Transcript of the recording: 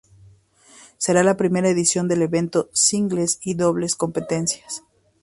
Será la primera edición del evento singles y dobles competencia.